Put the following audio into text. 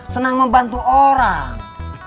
senang membantu orang